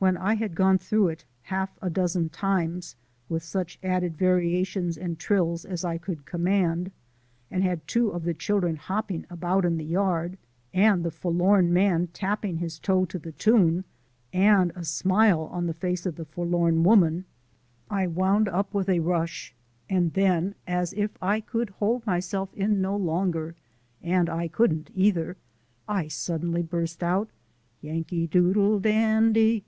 When I had gone through it half a dozen times with such added variations and trills as I could command, and had two of the children hopping about in the yard, and the forlorn man tapping his toe to the tune, and a smile on the face of the forlorn woman, I wound up with a rush and then, as if I could hold myself in no longer (and I couldn't either!), I suddenly burst out: Yankee doodle dandy!